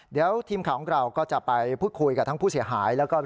เดี๋ยวทีมขาวของเราก็จะไปพุฒิคุยกับทั้งผู้เสียหาย